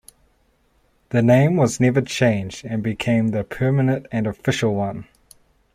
The name was never changed, and became the permanent and official one.